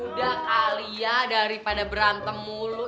udah kali ya daripada berantem mulu